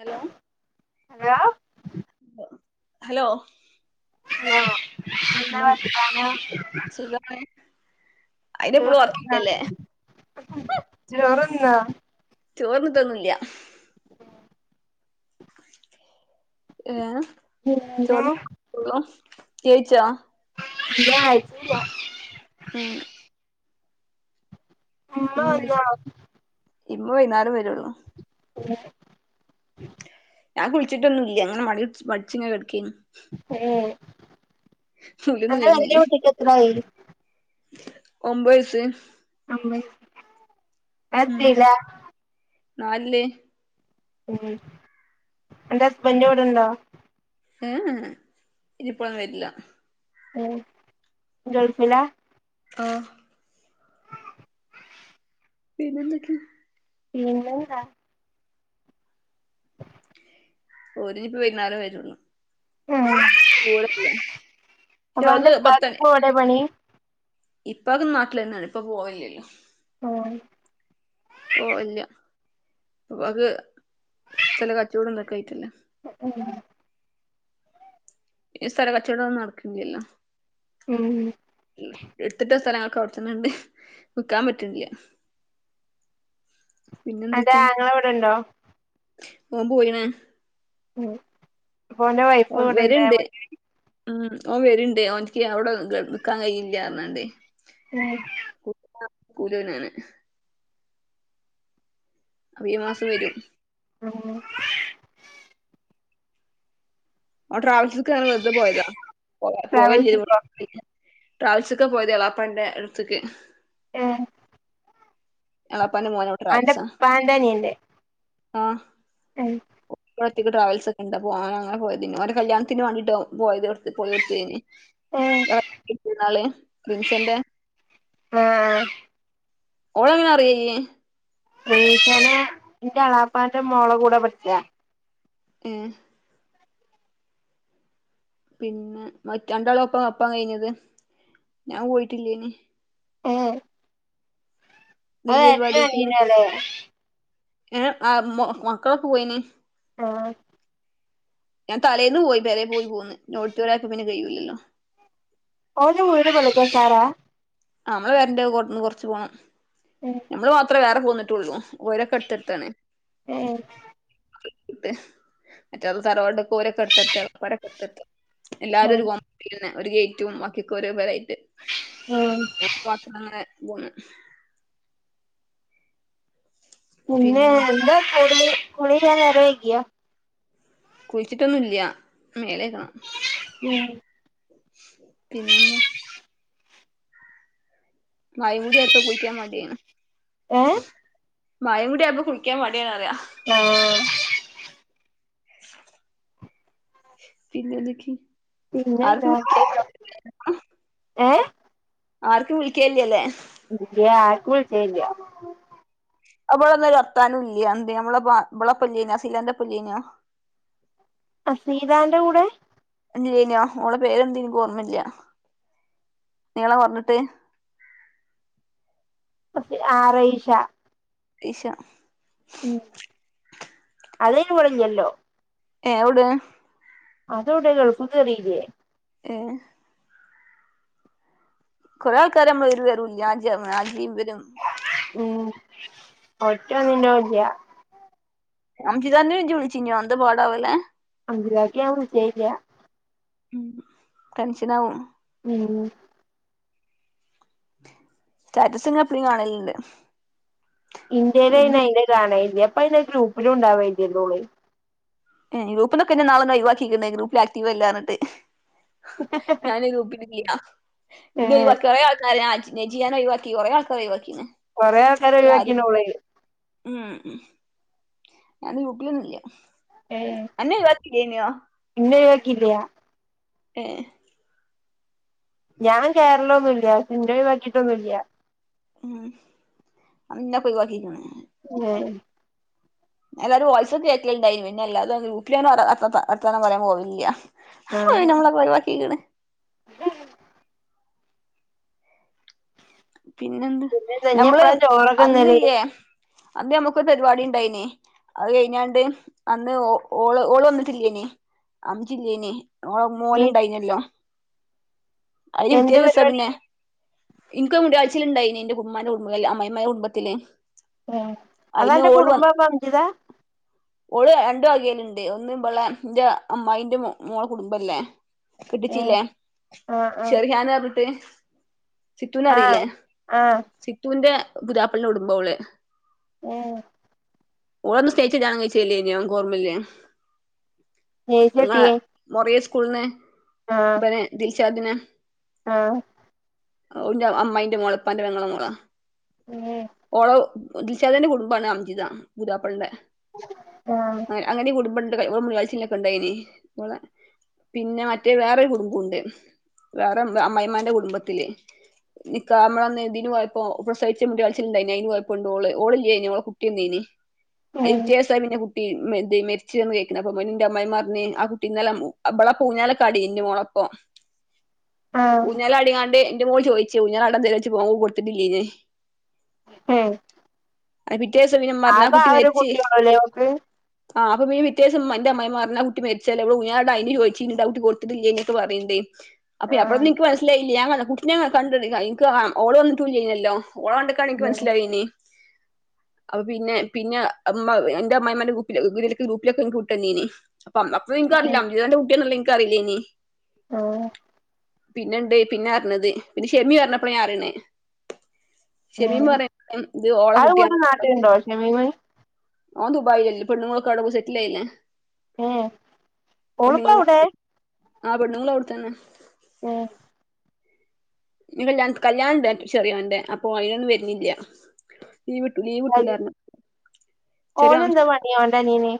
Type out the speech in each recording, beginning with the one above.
Hello? Hello? Hello? ആഹ് എന്താ പിന്നെ വർത്താനം [inaudible] അയിനിപ്പളും ചോറുതിന്നിന ഒറക്കല്ലേ ചോറുന്നോ ചോർന്നിതൊന്നൂല്ല ഏ പിന്നെന്താ കഴിച്ചോ ഇല്ല ആയിട്ടില്ല ഉം ഉമ്മ വന്നോ [unintelligible] ഇമ്മ വൈന്നാരം വരൊള്ളു. [inaudible] ഞാൻ കുളിച്ചിട്ടൊന്നുല്ല ഇങ്ങനെ മടിട്ച്ച് മടിച്ചിങ്ങനെ കെടക്കായിരുന്നു. ഏഹ് ഫുള്ളും അന്റെ നീങ്ങി വല്യ കുട്ടിക്ക് എത്രായി ഒമ്പ് വയസ് [inaudible] ഉം അതെത്രീലാ നാലില് ഉം അന്റെ അസ്ബന്റെ വിടെണ്ടോ ഏഹ് ഇനിപ്പൊളൊന്നും വരില്ല. ഉം ഗൾഫിലാ ആഹ് പിന്നെന്തൊക്കെ പിന്നെന്താ ഓരിനിപ്പൊ വൈന്നാരം വരുള്ളൂ ഉം ദൂരല്ലേ പക്ഷെ അത് ഉമ്മാന്റെ ഉപ്പാക്കുംപ്പോ എവിടെ പണി ഇപ്പാക്കിന്ന് നാട്ടിലെന്നെയാണ് ഇപ്പ പോയില്ലല്ലോ ഓഹ് ഓ അല്ല ഉപ്പാക്ക് സ്ഥല കച്ചോടം തൊക്കെ ആയിട്ടില്ല ഉം ഈ സ്ഥലകച്ചോടൊന്നും നടക്ക്ന്നില്ലല്ലോ ഉം എടുത്തിട്ട സ്ഥലങ്ങളൊക്കെ അവിടെത്തന്നണ്ട് വിക്കാൻ പറ്റ്ന്നില്ല അന്റെ പിന്നെന്തൊക്കെയാ ആങ്ങള ഇവിടെണ്ടോ ഓൻ പോയിണ് ഉം അപ്പൊ ഓന്റെ വൈഫ് ഓൻ ഇവിടെണ്ട് വരിണ്ട് ഉം ഓൻ വരിണ്ടേ ഓൻക്ക് അവ്ടെ ഗൾഫ് നിക്കാൻ കഴിയിണില്ലാന്നാണ്ടെ ഉം [unintelligible] റീ മാസം വരും ഉം ഓൻ ട്രാവൽസ്ക്ക് അങ്ങനെ വെറുതെ പോയതാ പോ പോവ ട്രാവൽസിക്കോ [unintelligible] ട്രാവൽസ്ക്കാ പോയത് എളാപ്പന്റെ അടുത്തേക്ക് ഏഹ് എളാപ്പാന്റെ മോന് അവിടെ അന്റെ ട്രാവൽസാ ഉപ്പാന്റെ അനിയന്റെ ആഹ് ഉം ഒറ്റക്ക് ട്രാവൽസ് ഒക്കെ ഉണ്ട് പോ അങ്ങനെ പോയതിന് ഒരു കല്യാണത്തിന് വന്നിട്ട് പോയതേ ഏഹ് [unintelligible] റിൻഷന്റെ ആഹ് ഓള് എങ്ങനെ അറിയാ ഇന്നെ റിൻഷാനെ എന്റെ എളാപ്പാന്റെ മോളെ കൂടെ പഠിച്ചേ ഏഹ് പിന്നെ മറ്റെ രണ്ടെളാപ്പ അപ്പം കഴിഞ്ഞത് ഞാൻ പോയിട്ടില്ലേനി ഏഹ് അത് വല്യ ഏട്ടനും പരിപാടിയൊക്കേനി അനിയനും അല്ലേ ഏ ആഹ് മക്കളൊക്കെ പോയിന് ആഹ് ഞാൻ തലേന്ന് പോയി പേരെ പോയി പോന്ന് [unintelligible] പിന്ന കഴിയൂലല്ലോ ഓന്റെ വീട് [unintelligible] ആ നമ്മള പെരേന്റെ അവിടുന്ന് കൊറച്ച് പോകണം ഉം നമ്മള് മാത്രമേ വേറെ പോന്നിട്ടുള്ളൂ ഓരൊക്കെ എടുത്തടുത്താണ് മറ്റേത് തറവാട് ഓരക്കടുത്തടുത്ത് എളാപ്പാര് ഒക്കെ അടുത്തടുത്ത് എല്ലാരും ഒരു [unintelligible] ഒരു ഗയിറ്റും ബാക്കി ഒക്കെ ഓരോ പേരായിട്ട് ആഹ് [unintelligible] പിന്നെ എന്താ [unintelligible] കുളി കഴിയാൻ നേരം വൈകിയാ കുളിച്ചിട്ടൊന്നുംല്ല മേലേക്കണം ഉം പിന്നെ എന്താ മഴ കൂടി ആയപ്പൊ കുളിക്കാൻ മടിയാണ് ഏഹ് മഴ കൂടി ആയപ്പോ കുളിക്കാൻ മടിയാണ് പറയാ ആഹ് പിന്നെ എന്തൊക്കെ പിന്നെന്താ ഏ ആർക്കും വിളിക്കലില്ലല്ലേ ഇല്ല ആർക്കും വിളികലില്ല അവളൊന്നും വർത്താനും ഇല്ല എന്ത് [unintelligible] ഫസീലാന്റെ ഒപ്പം ഇല്ലായ്‌നോ അസീതാന്റെ കൂടെ [unintelligible] ഓളെ പേരെന്താ എനിക്ക് ഓർമ്മല്ല നീളം കുറഞ്ഞിട്ട് ആ റൈഷ റൈഷ ഉം അതിന് ഓള് ഇവിടെ ഇല്ലല്ലോ ഏ എവിടെ അത് എവിടെ ഗൾഫിൽ കേറില്ലേ ഏ കൊറെ ആൾക്കാരെ നമ്മൾ ഒരു വിവരം ഇല്ല [unintelligible] ഉം ഒറ്റ ഒന്നിന്റേം ഇല്ല അജിതന്ന വിളിചിനോ എന്ത പാടാവല്ലെ അിലഗക്ക് ഞാൻ വിളിച്ചലില്ല കൺഷനാവും ഉം സ്റ്റാറ്റസ്ങ് എപ്പളും കാണലുണ്ട് ഇന്റെൽ അയ്ൻ അതിന്റെ കാണൽ ഇല്ല ഇപ്പൊ അത് ഗ്രൂപ്പിലും ഉണ്ടാവലില്ല ഓൾ ഏ ഗ്രൂപ്പിന്ന് ഇന്നാൾ ഒഴിവാക്കിക്കുണ് ഗ്രൂപ്പിൽ ആക്റ്റീവ് അല്ല എന്നിട്ട് ഞാൻ ഈ ഗ്രൂപ്പിന്റെ കീയിലാ പിന്നെ ഏഹ് കുറെ ആൾക്കാരെ നജിയാനെ ഒഴിവാക്കി കുറെ ആൾക്കാരെ ഒഴിവാക്കിണ് കുറെ ആൾക്കാരെ ഒഴിവാക്കീണ് ഓള് ഉം ഞൻ ഗ്രൂപിലും ഒന്നുല്ല ഏ അന്നേ ഒഴിവാക്കി ഇല്ലായ്‌നോ ഇന്നെ ഒഴിവാക്കിയില്ല ഏ ഞാൻ കേറൽ ഒന്നുല്ല ഇന്നെ ഒഴിവാക്കിയിട്ട് ഒന്നുല്ല അന്നെക്കെ ഒയിവാക്കിട്ട് ഇണ്ടാവും എ എല്ലാരെ വോയിസ് കേൾക്കൽ ണ്ടായിരുന്നു ഗ്രൂപ്പിൽഞാൻ വല്ലാതെ വർത്താനം പറയാൻ പോവലില്ല ഹ ആഹ് നമ്മളെ ഒക്കെ ഒഴിവാകിക്ക്ണ് പിന്നെന്ത് പിന്നെന്താ ഇഞ്ഞ് ഞമ്മള് എപ്പളാ ചോറൊക്കെ തിന്നല് അന്നില്ലേ അന്ന് നമുക്കൊരു പരിപാടി ഉണ്ടായിന് അത് കഴിഞ്ഞാണ്ട് അന്ന് ഓ ഓള് ഓള് വന്നിട്ടില്ലേയ്ന് അന്ന് ഇജില്ലെയ്ന് ഓളെ മീ മോനുണ്ടായിനല്ലോ അതിന്റെ പിറ്റെ എന്ത് ദിവസാ പരിപാടി പിന്നെ ഇൻക്ക് മുടി കളച്ചിൽ ഉണ്ടായിനി എന്റെ ഉമ്മാന്റെ കുടുംബത്തിൽ അമ്മായിഅമ്മൻടെ കുടുംത്തിൽ എ അതാ അന്റെ കുടുംബ അഞ്ജിത ഓൾ രണ്ടു വകയിലുണ്ട് ഒന്ന്പളെ ഇന്റെ അമ്മായിന്റെ മോളെ കുടുംബല്ലേ ഏഹ് കെട്ടിച്ചില്ലേ ആഹ് ആഹ് ഷെറിഹാൻ പറഞ്ഞിട്ട് സിത്തൂനെ അറിയില്ലേ ആഹ് ആഹ് സിത്തൂന്റെ പുതിയാപ്ലന്റെ കുടുംബംആണ് ഓൾ ഏഹ് ഓൾ അന്ന് സ്നേഹിച്ച് കല്യാണം കഴിച്ചതല്ലയ്നോ അനക്ക് ഓർമല്ലേ ങ നേഴ്സിട്ടിയേ മൊറിയ സ്കൂൾന്ന് ആഹ് ബനെ ദിൽശാദി നെ ആഹ് ന്റെ അമ്മായിന്റെ മോൾ ഇപ്പാന്റെ പെങ്ങളെ മോളാ ഏഹ് ഓള് ദിൽഷാദിന്റെ കുടുംബാണ് അംജിത പുതിയാപ്ലൻറെ ആ അ അങ്ങനിം കുടുംബംണ്ട് ഓളെ ക മുടിയാളിച്ചൽനോക്ക ഉണ്ടായിന് ഓളെ പിന്നെ മറ്റേ വേറെരു കുടുംബുണ്ട് വേറെ അമ്മയമാന്റെ കുടുംബത്തില് നിക്കഹമ ഇതിന് പോയപ്പോ പസവിച്ച മുടിയാളിച്ചൽണ്ടായിനു അയിന് പോയപ്പോ ഓള് ഇല്ലേയ്നു ഓളെ കുട്ടിണ്ടായ്ന് അയ്യ ഏഹ് [unintelligible] പി മെരിച്ച വന്ന് ക കേക്കണ അപ്പൊ മ എന്റെ അമ്മായിമ്മ പറഞ്ഞഞ് ആ കുട്ടിന്നും അവളെ പം ഊഞ്ഞാലക്കാടി്ന് മോളപ്പൊ [unintelligible] ആഹ് ഊഞ്ഞൽ അടിക്കാണ്ട് എന്റെ മോൾ ചോയിച്ചു ഊഞ്ഞാല ആടാന്തരോ ഓം കൊടുത്തട്ടില്ലീേയ് ന്ന് [unintelligible] അയ്ൻറെ പിറ്റേസം ഇമ്മ പറഞ്ഞ് ആക ആ ഒരു കുട്ടിയണല്ലോക്ക് ആ്പ്പം പിറ്റേ ദിവസം എന്റെ അമ്മമാ പറഞ്ഞു ആ കുട്ടി മരിച്ചാല എവിടെ ഞ അന് ചോദിച്ചി ഇ ഡൗട്ടി കൊടുത്തട്ടല്ലേ എന്നൊക്കെ പറയുന്നേ [unintelligible] അപ്പൊ അപ്പലോ ന്നും ഈ ആഹ് നിക്ക്മനസിലായില്ല ഞ കുട്ടിനെ ഞ കണ്ട ഓള വന്നിട്ടൂില്ലല്ലോ ഓള കണ്ട ഇതാണിക്ക് മനസ്സിലായിനി [unintelligible] അപ്പ പിന്നെ പിന്നെ അമ്മ ന്റെ അമ്മായിമ്മന്റെ ഗ്രൂപ്പ്ലാ. ഇവിരെടയ്ക്ക് ഗ്രൂപ്പിലൊക്കെ ങ്ങട് വിട്ടെന്നീനി. അപ്പം അപ്പ എനിക്ക് [unintelligible] ഇവന്റെ കുട്ടികളുള്ളത് എനിക്ക് അറിയില്ലെനി [unintelligible] പിന്നെണ്ട് പിന്നെ അറിഞ്ഞത് പിന്ന ഷെമി പറഞ്ഞപ്പോ ഞാനറിയണ് ഷെമി ഉം പറയ ഇത് ഓള അത് ഇവിടെ കുട്ടിയാണ് നാട്ടിലുണ്ടോ ഷമീമ് ഓൻ ദുബായിലല്ലേയ് പെ ണ്ണുങ്ങളെക്കെ അവിടെപോയി സെറ്റിലായില്ലേ ഏ ഓളിപ്പോ പെണ്ണങ്ങൾ എവിടെ പോയി ആ പെണ്ണങ്ങൾ അവിടെ തന്നെ ആ ഞ് കല്യാ കല്യാണം ണ്ടാക്കണ്ട് ചെറിയൊന്റെ അയ്നൊന്നും വരുന്നില്ല ലീവിട്ടു ലീവിട്ടൂല പറഞ്ഞു ചെറിയ അവന്റെ അനിയന്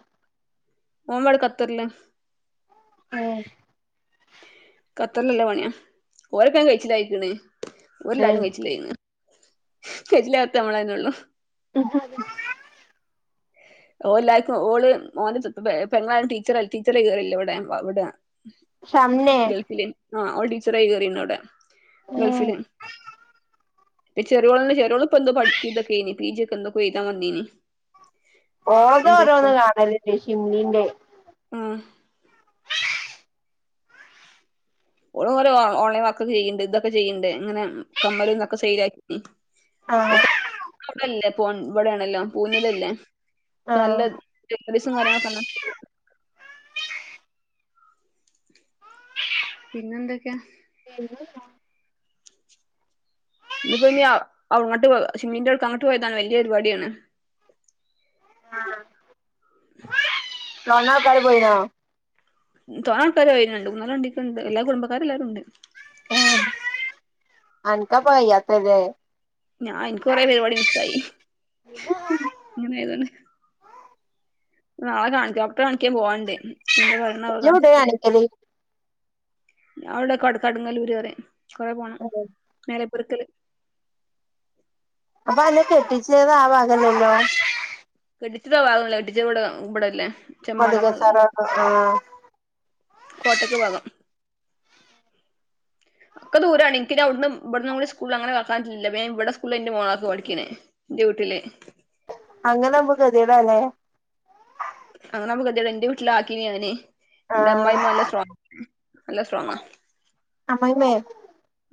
ഓൻ ബടെ ഖത്തറില് ആ ഖത്തറ്ല് നല്ല പണിയാ ഓല് ഒകെ അയിന് കഴിച്ചികയിക്കണ് ഒരേ എല്ലാരും കഴിച്ചിലായ്ക്ണ് കഴിച്ചിലാകടത്തെ നമ്മളെന്നെ ഒള്ളു [unintelligible] [unintelligible] ഷംനെ ഗൾഫിൽ ആ അവള ടീച്ചറായി കേറിന്ന് അവിടെ ഗൾഫിൽ പ്പ ചേറ്യോള്ണ്ട്. ചെറ്യോള് ഇപ്പന്തോ പഠിക്കും ഇതൊക്കെ ആയിനി. പീ ജീ ഒക്കെന്തോ എഴുതാൻ വന്നീനീ ഓതോ ഓരോന്നും കാണലണ്ട് ഷിംനിന്റെ ആ ഓള് ഒരു ഓൺലൈൻ വർക്ക്‌ ചെയ്യണ്ട് ഇതൊക്കെ ചെയ്യുന്നുണ്ട് ഇങ്ങനെ കമ്മലതൊക്കെ സെയിൽ ആക്കി ആഹ് [unintelligible] പുനില്ലല്ലേ നല്ല ആഹ് ഡെപ്രേഷൻ കാര്യങ്ങൾ [unintelligible] [unintelligible] പിന്നെന്തൊക്കെയാ എന്നും നോ ഇന്ന്പ്പോ ഇഞ്ഞി അങ്ങോട്ട് പോവാ ഷിംനിന്റെവടയ്ക്ക് അങ്ങട്ട് പോയതാണ്. വല്യ പരിപാട്യാണ്. ആഹ് തോന ആൾക്കാര് പോയിനോ? തോനേ ആൾക്കാര് വരുന്നുണ്ട്. മൂന്നാല് വണ്ടിയൊക്കെണ്ട്. എല്ലാ കുടബക്കാര് എല്ലാവരുണ്ട്. [unintelligible] അൻക്കപ്പോ വയ്യാ തല്ലേ ഞാൻ എനിക്ക് കൊറേ പരിപാടി മിസ്സ്‌ ആയി ഇങ്ങനെതാണ്ട് നാളെ കാണിക്ക ഡോക്ടറെ കാണിക്കാൻ പോവാണ്ടേ എന്താ പറയണ അവ ഇജ്ജ് എവിടെ കാണിച്ചിട്ട് കാണിക്കല് അവിടെ കടുങ്ങല്ലൂര് വരെ കൊറെ പോ അതെ നേരെ പിറക്കല് അപ്പൊ അന്ന കെട്ടിച്ചത് ആ ഭാഗണല്ലോ കെട്ടിച്ചതാ വാകല്ലേ കെട്ടിച്ചടെ ഇവിടെല്ലേ പതിക സാറാന്നത് കൊട്ടകു ഭാഗം [unintelligible] ഒക്ക ദൂരാണ് എനിക്ക് ന്റെ അവ്ട്ന്നും ഇബ്ട്ന്നും കുടി സ്കൂൾ അങ്ങന കാക്കാൻ പറ്റ്ല്ല ബേം ഇബട സ്കൂൾല ന്റെ മോളാക്ക് പഠിക്കണേ. ഡ്യൂട്ടിയില് അങ്ങനാമ്പം ഗതിടാല്ലേ [unintelligible] എന്റെ വീട്ടിലാക്കീനി ഞാന് എന്റെ ആഹ് അമ്മായിമ്മ എല്ല സ്ട്രോ നല്ല സ്ട്രോങ്ങാ അമ്മായി അമ്മേ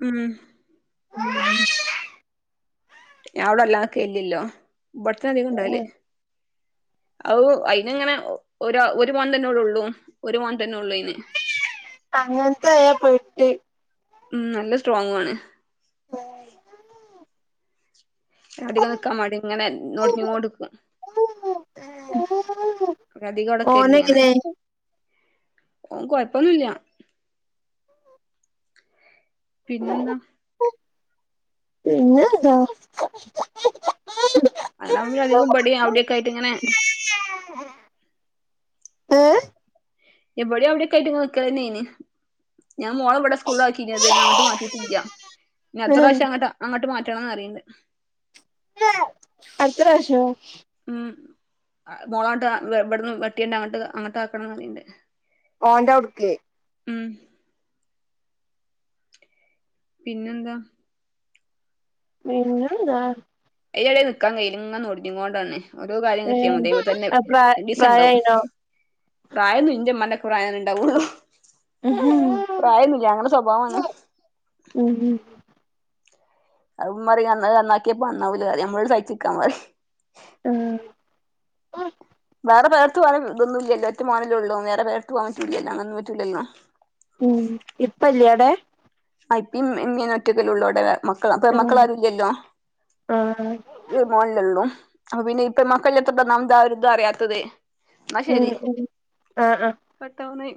ഉം [unintelligible] ഞാവിടല്ലാക്കെ ഇല്ല്യല്ലോ ഇബടത്താധികം ണ്ടാവല് ഔ അയിന്ങ്ങനെ ഒ ഒരാ ഒരു മോൻ തന്നെയോടുള്ളൂ ഒരു മോൻതന്നെ ഉള്ളുയ്ന് അങ്ങനത്തെയാ പെട്ട് ഉ നല്ല സ്ട്രോങ്ങാണ് [inaudible] അടികാക്കാ മടിങ്ങനെ നോടിങ്ങോണ്ടുക്കും ഗതികൊടക്കെല്യാണ് ഓനെങ്ങനെ ഓൻ കൊഴപ്പൊന്നുല്ല്യ പിന്നെന്താ പിന്നെന്താ [unintelligible] അധികോം പടി അവിടെക്കായിട്ട് ഇങ്ങനെ [unintelligible] ഏ ഇവിടെ അവ്ടെക്കായിട്ട് ങ്ങ്നിക്കലന്നേയ്നി ഞാൻ മോളെവ്ടെ സ്കൂള്ലാക്കിനിദേഹം അങ്ങട്ട് മാറ്റീട്ടില്ല്യ ഇനത്തറാവശ്യങ്ങട്ട് അങ്ങട്ട് മാറ്റണംന്ന്റിയ്ണ്ട് അടുത്തറാശോ ഉം മോളാണ്ട് വ് വിടന്ന് വെട്ടിയ്ണ്ട് അങ്ങട്ട് അങ്ങട്ടാക്കണംന്ന് പറയ്ണ്ട് ഓന്റവുടുക്ക് പിന്നെന്താ പിന്നെന്താ അതിട നിൽക്കാൻ കയ്യിലൽങ്ങന്ന്ഓടഞ്ഞ കൊണ്ടാണ ഓരോ കാര്യം ഏ കിട്ടാ അത്പ അത് പ്രാ രണ്ടിസാണ്ടാവും പ്രായായിണോ പ്രായമ്ന്റ്മ്മാന്റക്ക പ്രായന്നണ്ടാവുള്ളു ഉം പ്രായന്നുല്യ ഞങ്ങള സ്വഭാവാണ് ഉം ഉം അത് മ്മറിയും അന്ന് നന്നാക്കിയപ്പോ അന്നാവൂലാര്യ നമ്മളട് സഹിച്ചിക്കാ പറിം ആഹ് വേറെ പേർത്ത് പോനാന് തൊന്നുല്യല്ലോ ഒറ്റ മോനല്ലേള്ളോ വേറെ പേർത്ത് പോവാറ്റൂലല്ല അങ്ങന്നും പറ്റൂല്ലല്ലോ ഉം ഇപ്പല്ല്യാടെ ആ ഇപ്പേം ഇമ്മേ ഒറ്റക്കല്ലള്ളൂ അടെ മക്കള അപ്പ മക്കളാരുല്ല്യല്ലോ ആഹ് ആഹ് ഈ ഒരു മോനല്ലെള്ളൂ അപ്പൊപിന്നെയി പെമ്മക്കളില്യാത്തോണ്ടാന്നാമതാ ഒരിതറിയാത്തത് ന്നാ ശരി ആഹ് ആഹ് കട്ടാവുനെ